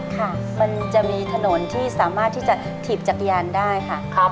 ค่ะมันจะมีถนนที่สามารถที่จะถีบจักรยานได้ค่ะ